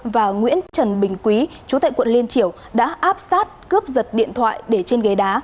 và nguyễn trần bình quý chú tại quận liên triều đã áp sát cướp giật điện thoại để trên ghế đá